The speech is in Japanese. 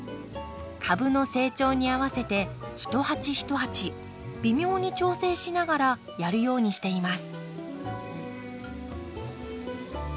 株の成長に合わせて一鉢一鉢微妙に調整しながらやるようにしています。